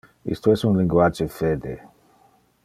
Isto es un linguage fede.